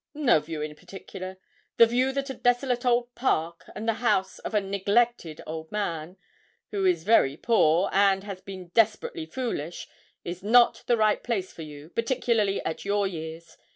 'No view in particular; the view that a desolate old park, and the house of a neglected old man, who is very poor, and has been desperately foolish, is not the right place for you, particularly at your years.